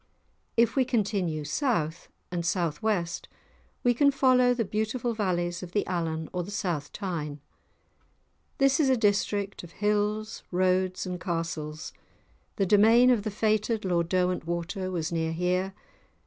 If we continue south and south west we can follow the beautiful valleys of the Allan or the South Tyne. This is a district of hills, roads, and castles; the domain of the fated Lord Derwentwater was near here.